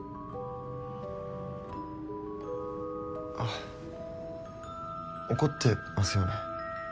あっ怒ってますよね。